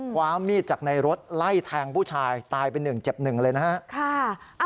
ความมีดจากในรถไล่แทงผู้ชายตายไป๑เจ็บหนึ่งเลยนะฮะ